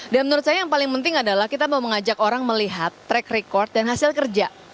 dan menurut saya yang paling penting adalah kita mau mengajak orang melihat track record dan hasil kerja